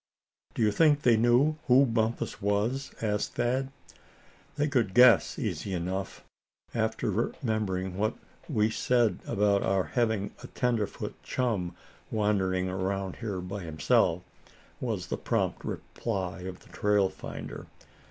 "Do you think they knew who Bumpus was?" asked Thad. "They could guess, easy enough, after remembering what we said about our having a tenderfoot chum wandering around here by himself," was the prompt reply of the trail finder.